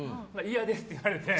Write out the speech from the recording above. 嫌ですって言われて。